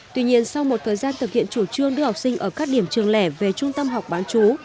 tuy nhiên sau một thời gian thực hiện chủ trương đưa học sinh ở các điểm trường lẻ về trung tâm học bán chú